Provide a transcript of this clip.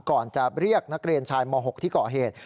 ก่อนจะเรียกนักเรียนชายม๖ที่ก่อเหตุ